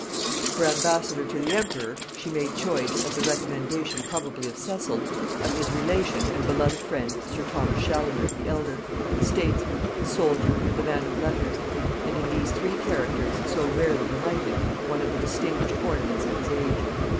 For ambassador to the emperor she made choice, at the recommendation probably of Cecil, of his relation and beloved friend sir Thomas Chaloner the elder, a statesman, a soldier, and a man of letters; and in these three characters, so rarely united, one of the distinguished ornaments of his age.